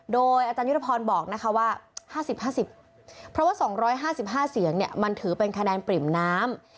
โดยอาจารยุทธพรบอกนะคะว่า๕๐๕๐เพราะว่า๒๕๕เสียงเนี่ยมันถือเป็นคะแนนปริ่มน้ำ